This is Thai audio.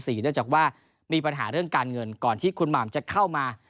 เนื่องจากว่ามีปัญหาเรื่องการเงินก่อนที่คุณหม่ำจะเข้ามา